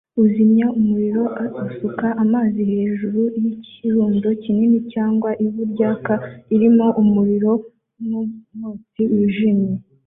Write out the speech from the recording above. Uzimya umuriro asuka amazi hejuru yikirundo kinini cyangwa ivu ryaka ririmo umuriro numwotsi wijimye